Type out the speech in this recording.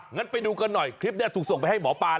งั้นไปดูกันหน่อยคลิปนี้ถูกส่งไปให้หมอปลา